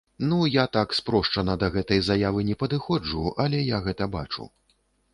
Ну, я так спрошчана да гэтай заявы не падыходжу, але я гэта бачу.